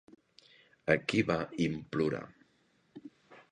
A qui va implorar?